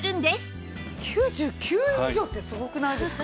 ９９以上ってすごくないですか？